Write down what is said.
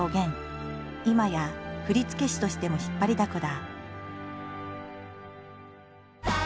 いまや振付師としても引っ張りだこだ。